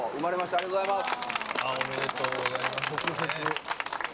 ありがとうございます！